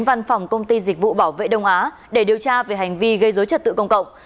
văn phòng công ty dịch vụ bảo vệ đông á để điều tra về hành vi gây dối trật tự công cộng